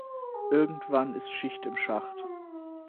Irgedwann ist Schicht im Schacht.